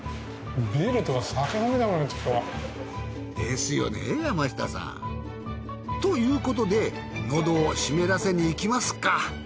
ビールとか酒飲みたくなってきたわ。ですよね山下さん。ということで喉を湿らせにいきますか。